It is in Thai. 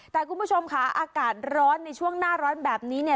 แต่คุณผู้ชมค่ะอากาศร้อนในช่วงหน้าร้อนแบบนี้เนี่ย